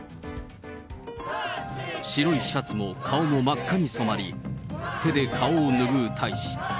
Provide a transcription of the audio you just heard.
白いシャツも顔も真っ赤に染まり、手で顔を拭う大使。